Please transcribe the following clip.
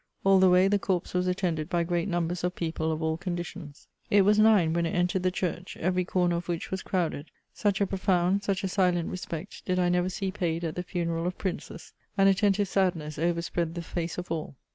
All the way the corpse was attended by great numbers of people of all conditions. It was nine when it entered the church; every corner of which was crowded. Such a profound, such a silent respect did I never see paid at the funeral of princes. An attentive sadness overspread the face of all.